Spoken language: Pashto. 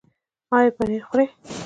ایا پنیر خورئ؟